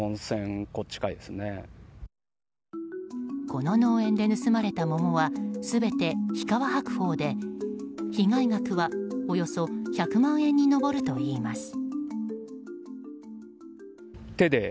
この農園で盗まれた桃は全て日川白鳳で被害額は、およそ１００万円に上るといいます。